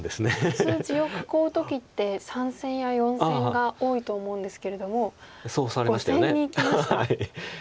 普通地を囲う時って３線や４線が多いと思うんですけれども５線にいきました。